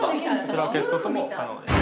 こちら消す事も可能です。